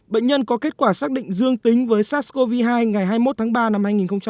bệnh nhân có kết quả xác định dương tính với sars cov hai ngày hai mươi một tháng ba năm hai nghìn hai mươi